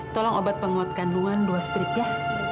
tolong obat penguat kandungan dua strip ya